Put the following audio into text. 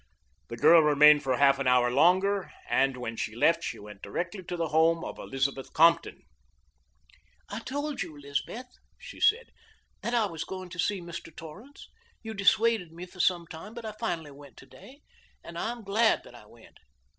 The girl remained for half an hour longer, and when she left she went directly to the home of Elizabeth Compton. "I told you, Elizabeth," she said, "that I was going to see Mr. Torrance. You dissuaded me for some time, but I finally went today, and I am glad that I went.